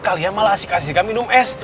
kalian malah asik assika minum es